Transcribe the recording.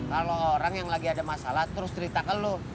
kalau orang yang lagi ada masalah terus cerita keluh